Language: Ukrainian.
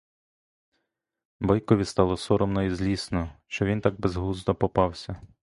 Бойкові стало соромно і злісно, що він так безглуздо попався.